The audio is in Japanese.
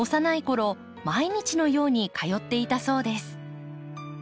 毎日のように通っていたそうです。